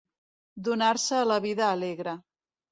Donar-se a la vida alegre.